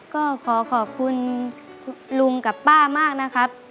ก็ขอขอบคุณลุงกับป้ามากนะครับ